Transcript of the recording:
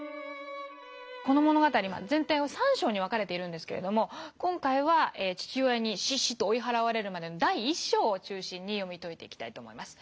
この物語は全体は３章に分かれているんですけれども今回は父親に「シッシッ」と追い払われるまでの第１章を中心に読み解いていきたいと思います。